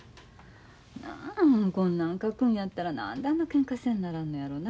なあこんなん書くんやったら何であんなけんかせんならんのやろな。